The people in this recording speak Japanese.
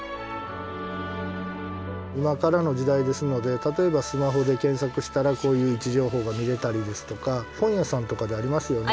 今からの時代ですので例えばスマホで検索したらこういう位置情報が見れたりですとか本屋さんとかでありますよね。ありますね。